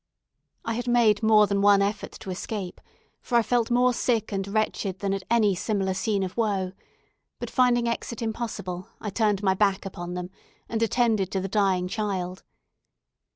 I had made more than one effort to escape, for I felt more sick and wretched than at any similar scene of woe; but finding exit impossible, I turned my back upon them, and attended to the dying child.